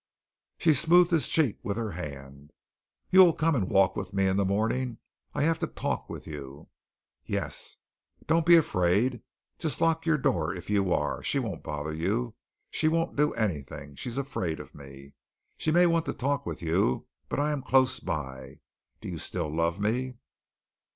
She smoothed his cheek with her hand. "You will come and walk with me in the morning? I have to talk with you." "Yes." "Don't be afraid. Just lock your door if you are. She won't bother you. She won't do anything. She is afraid of me. She may want to talk with you, but I am close by. Do you still love me?"